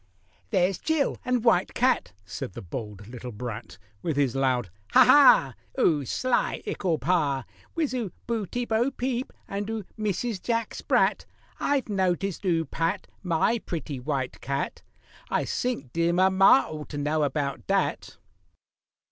"There's Jill and White Cat" (said the bold little brat, With his loud, "Ha, ha!") "'Oo sly ickle Pa! Wiz 'oo Beauty, Bo Peep, and 'oo Mrs. Jack Sprat! I've noticed 'oo pat My pretty White Cat— I sink dear mamma ought to know about dat!"